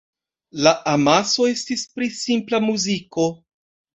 La amaso estis pri simpla muziko.